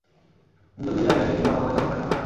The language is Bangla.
দুজন দু জায়গায় থেকে কথা বলে চমৎকার সময় কাটান।